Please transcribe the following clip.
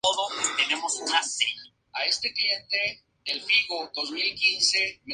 Antes de la invasión china, su cuerpo fue enterrado y se deterioró.